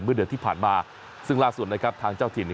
เมื่อเดือนที่ผ่านมาซึ่งล่าสุดนะครับทางเจ้าถิ่น